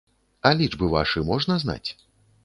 А лічбы вашы можна знаць?